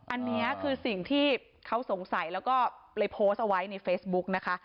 อันนี้คือสิ่งที่เขาสงสัยแล้วก็เลยโพสต์เอาไว้ในเฟซบุ๊กนะคะ